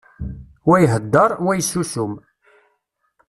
Wa ihedder, wa yessusum.